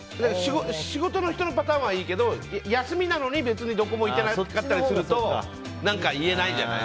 仕事の人のパターンはいいけど休みなのに別にどこにも行ってなかったりすると言えないじゃない。